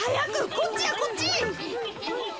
こっちやこっち。